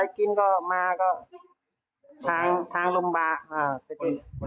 ถ้าไม่มีกินยังไงก็ต้องมาเมืองไทยอีกนั่นแหละ